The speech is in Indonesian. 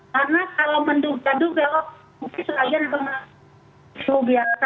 karena kalau menduga mungkin selagi ada pemaksa biasa